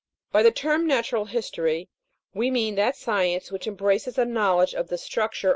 By the term Natural History, we mean that science which embraces a knowledge of the structure vi PREFACE.